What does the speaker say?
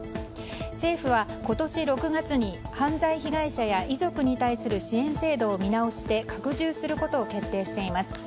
政府は今年６月に犯罪被害者や遺族に対する支援制度を見直して拡充することを決定しています。